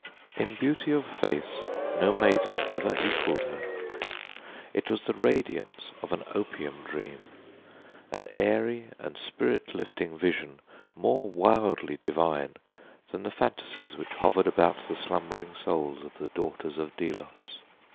In beauty of face no maiden ever equaled her. It was the radiance of an opium dream an airy and spirit lifting vision more wildly divine than the phantasies which hovered about the slumbering souls of the daughters of Delos.